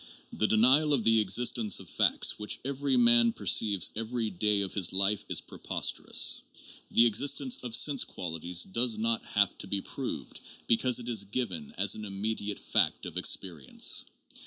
The denial of the existence of facts which every man perceives every day of his life is preposterous. The existence of sense qualities THE METAPHYSICAL STATUS OF SENSATIONS 177 does not have to be proved, because it is given as an immediate fact of experience.